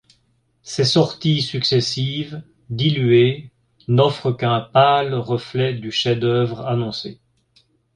Ces sorties successives, diluées, n'offrent qu'un pâle reflet du chef-d'œuvre annoncé.